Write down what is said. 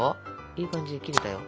いい感じで切れたよ。